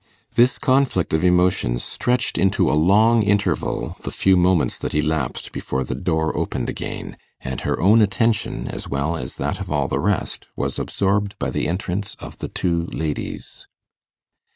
This conflict of emotions stretched into a long interval the few moments that elapsed before the door opened again, and her own attention, as well as that of all the rest, was absorbed by the entrance of the two ladies.